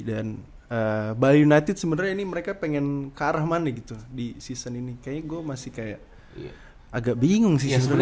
dan bali united sebenernya ini mereka pengen kearah mana gitu di season ini kayaknya gua masih kayak agak bingung sih sebenernya